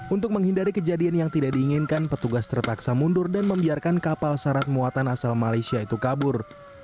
untuk menghindari kejadian yang tidak diinginkan petugas terpaksa mundur dan membiarkan kapal syarat muatan asal malaysia itu kabur